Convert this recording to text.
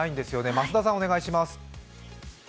増田さん、お願いします。